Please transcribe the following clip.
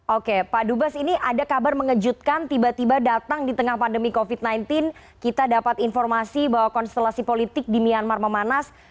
oke pak dubas ini ada kabar mengejutkan tiba tiba datang di tengah pandemi covid sembilan belas kita dapat informasi bahwa konstelasi politik di myanmar memanas